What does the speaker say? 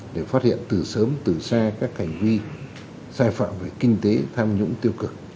để phát hiện từ sớm từ xa các hành vi sai phạm về kinh tế tham nhũng tiêu cực